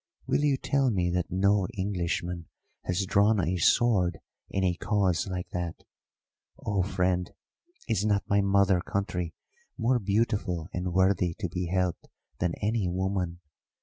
Will you tell me that no Englishman has drawn a sword in a cause like that? Oh, friend, is not my mother country more beautiful and worthy to be helped than any woman?